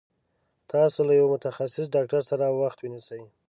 تاسو له يوه متخصص ډاکټر سره وخت ونيسي